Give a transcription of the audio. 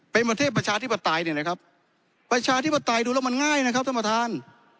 เป็นประเทศประชาธิปไตยเนี่ยนะครับประชาธิปไตยดูแล้วมันง่ายนะครับท่านประธาน